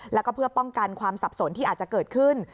แล้วก็เพื่อป้องกันความสับสนที่อาจจะเกิดขึ้น